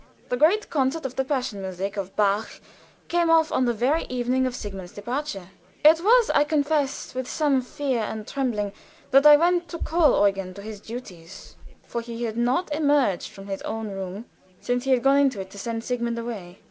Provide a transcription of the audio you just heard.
The great concert of the "Passions musik" of Bach came off on the very evening of Sigmund's departure. It was, I confess, with some fear and trembling that I went to call Eugen to his duties, for he had not emerged from his own room since he had gone into it to send Sigmund away.